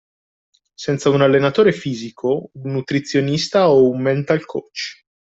Senza un allenatore fisico, un nutrizionista o un mental coach.